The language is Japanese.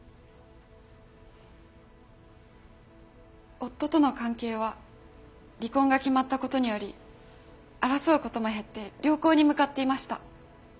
夫との関係は離婚が決まったことにより争うことも減って良好に向かっていました。